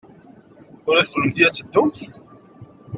Ula d kennemti ad teddumt?